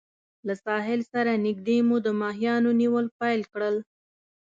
له ساحل سره نږدې مو د ماهیانو نیول پیل کړل.